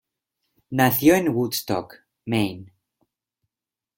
Nació en Woodstock, Maine.